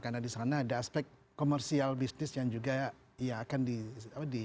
karena disana ada aspek komersial bisnis yang juga akan di